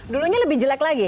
dulunya lebih jelek lagi